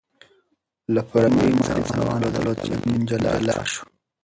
لفروی مالي توان نه درلود او له جین جلا شو.